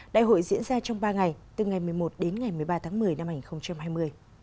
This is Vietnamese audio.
đại hội diễn ra trong ba ngày từ ngày một mươi một đến ngày một mươi ba tháng một mươi năm hai nghìn hai mươi